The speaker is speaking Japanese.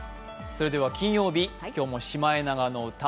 それでは金曜日、今日も「シマエナガの歌」